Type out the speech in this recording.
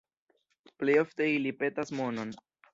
Plej ofte ili petas monon.